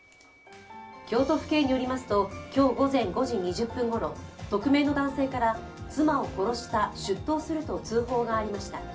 京都府警によりますと今日午前５時２０分ごろ匿名の男性から、妻を殺した出頭すると通報がありました。